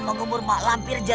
bagaimana kita mulai